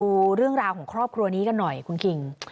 ดูเรื่องราวของครอบครัวนี้กันหน่อยคุณคิง